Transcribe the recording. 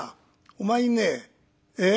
『お前ねええ？